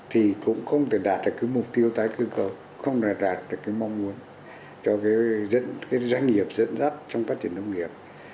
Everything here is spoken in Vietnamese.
thì cũng không thể đạt được cái mục tiêu tái cơ cầu không đạt được cái mong muốn cho cái doanh nghiệp dẫn dắt trong phát triển nông nghiệp